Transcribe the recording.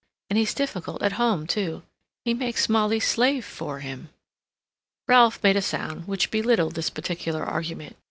And he's difficult at home, too. He makes Molly slave for him." Ralph made a sound which belittled this particular argument.